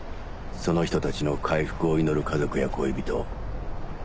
その人たちの回復を祈る家族や恋人